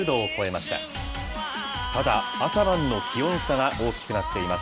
まだ朝晩の気温差は大きくなっています。